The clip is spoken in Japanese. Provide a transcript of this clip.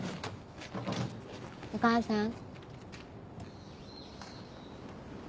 お母さん。